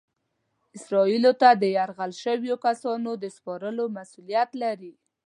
اسرائیلو ته د یرغمل شویو کسانو د سپارلو مسؤلیت لري.